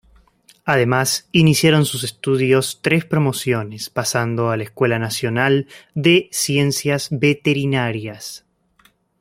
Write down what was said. Además iniciaron sus estudios tres promociones, pasando a la Escuela Nacional de Ciencias Veterinarias.